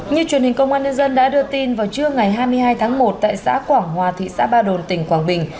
như truyền hình công an nhân dân đã đưa tin vào trưa ngày hai mươi hai tháng một tại xã quảng hòa thị xã ba đồn tỉnh quảng bình